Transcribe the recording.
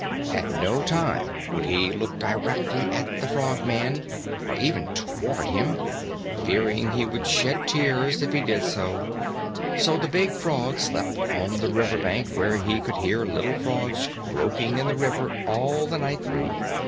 At no time would he look directly at the Frogman, or even toward him, fearing he would shed tears if he did so; so the big frog slept on the riverbank where he could hear little frogs croaking in the river all the night through.